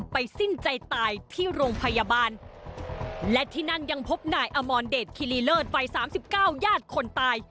พบหน่ายอมอนเดชคิลีเลิศวัย๓๙ญาติคนตาย